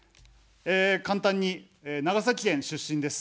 簡単に、長崎県出身です。